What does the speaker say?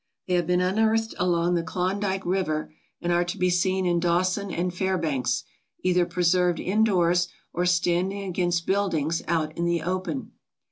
They have been unearthed along the Klondike River, and are to be seen in Dawson and Fairbanks, either preserved indoors or standing against buildings out in the open.